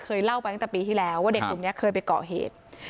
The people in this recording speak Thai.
เคยเล่าไปตั้งแต่ปีที่แล้วว่าเด็กตรงเนี้ยเคยไปเกาะเหตุ